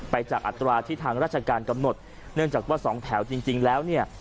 จากอัตราที่ทางราชการกำหนดเนื่องจากว่าสองแถวจริงแล้วเนี่ย